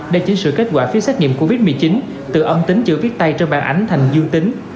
để chính sửa kết quả phiếu xét nghiệm covid một mươi chín từ âm tính chữ viết tay trên bàn ảnh thành dương tính